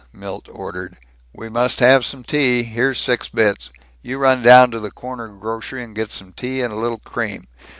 Milt ordered. "We must have some tea. Here's six bits. You run down to the corner grocery and get some tea and a little cream.